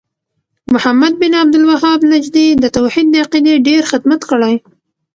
محمد بن عبد الوهاب نجدي د توحيد د عقيدې ډير خدمت کړی